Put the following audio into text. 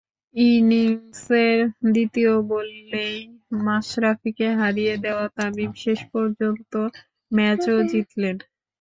ইনিংসের দ্বিতীয় বলেই মাশরাফিকে হারিয়ে দেওয়া তামিম শেষ পর্যন্ত ম্যাচও জিতলেন।